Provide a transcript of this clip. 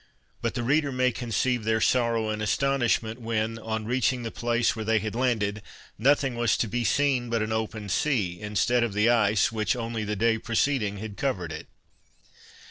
But the reader may conceive their sorrow and astonishment, when on reaching the place where they had landed nothing was to be seen but an open sea, instead of the ice which only the day preceding had covered it.